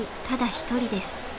一人です。